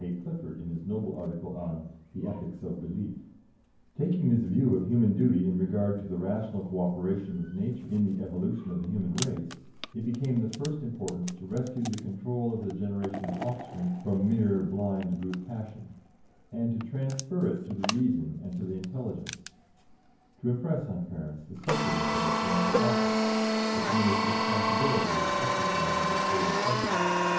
Clifford in his noble article on the "Ethics of Belief." Taking this view of human duty in regard to the rational co operation with nature in the evolution of the human race, it became of the first importance to rescue the control of the generation of offspring from mere blind brute passion, and to transfer it to the reason and to the intelligence; to impress on parents the sacredness of the parental office, the tremendous responsibility of the exercise of the creative function.